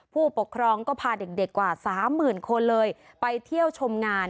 ผู้ปกครองก็พาเด็กกว่าสามหมื่นคนเลยไปเที่ยวชมงาน